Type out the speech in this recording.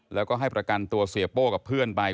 แล้วก็ให้ประกันตัวเสียโป้กับเพื่อนไป